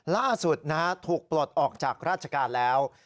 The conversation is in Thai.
ล่าสุดถูกปลดออกจากราชการแล้ว